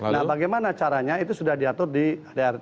nah bagaimana caranya itu sudah diatur di rt